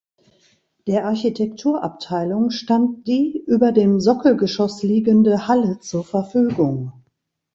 Der Architekturabteilung stand die über dem Sockelgeschoss liegende Halle zur Verfügung.